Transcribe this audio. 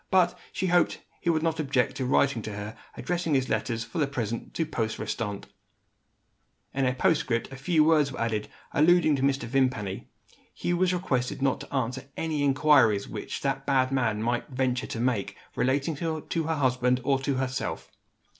But, she hoped that he would not object to write to her, addressing his letters, for the present, to post restante. In a postscript a few words were added, alluding to Mr. Vimpany. Hugh was requested not to answer any inquiries which that bad man might venture to make, relating to her husband or to herself.